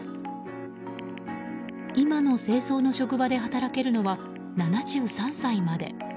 今の清掃の職場で働けるのは７３歳まで。